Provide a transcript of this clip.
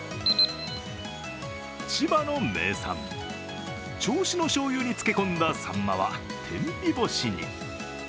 千葉の名産、銚子の醤油に漬け込んだサンマは天日干しに。